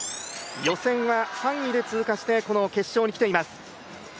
予選は３位で通過して、この決勝に来ています。